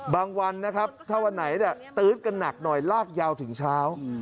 วันนะครับถ้าวันไหนตื๊ดกันหนักหน่อยลากยาวถึงเช้า